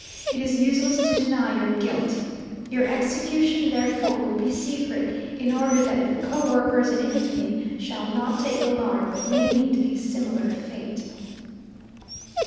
It is useless to deny your guilt. Your execution, therefore, will be secret, in order that your co workers in infamy shall not take alarm, but may meet a similar fate."